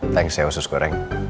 thanks ya usus goreng